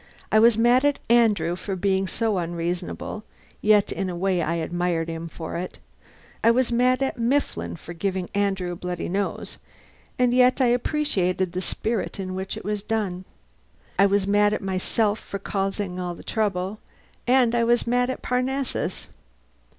I was mad at Andrew for being so unreasonable, yet in a way I admired him for it; I was mad at Mifflin for giving Andrew a bloody nose, and yet I appreciated the spirit in which it was done. I was mad at myself for causing all the trouble, and I was mad at Parnassus.